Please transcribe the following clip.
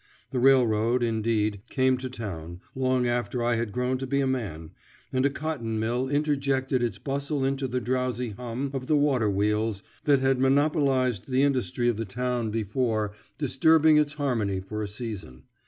The railroad, indeed, came to town, long after I had grown to be a man, and a cotton mill interjected its bustle into the drowsy hum of the waterwheels that had monopolized the industry of the tovn before, disturbing its harmony for a season.